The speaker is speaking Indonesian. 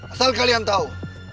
asal kalian tau